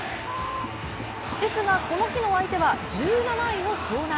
ですが、この日の相手は１７位の湘南。